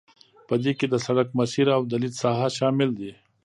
په دې کې د سرک مسیر او د لید ساحه شامل دي